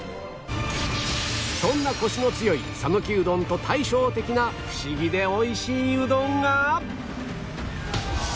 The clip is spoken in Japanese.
そんなコシの強い讃岐うどんと対照的なフシギで美味しいうどんが